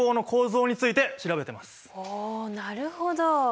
おなるほど。